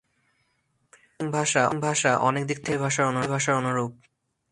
Programming ভাষা অনেক দিক থেকে অ্যাসেম্বলি ভাষার অনুরূপ।